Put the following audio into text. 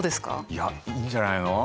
いやいいんじゃないの？